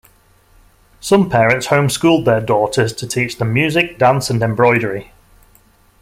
Some parents home schooled their daughters to teach them music, dance and embroidery.